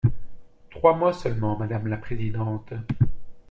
Trois mots seulement, madame la présidente.